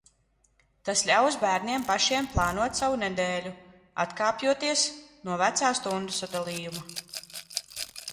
Tas ļaus bērniem pašiem plānot savu nedēļu, atkāpjoties no vecā stundu sadalījuma.